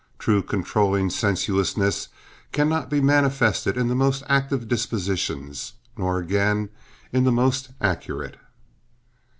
True controlling sensuousness cannot be manifested in the most active dispositions, nor again in the most accurate.